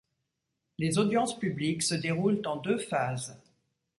Les audiences publiques se déroulent en deux phases.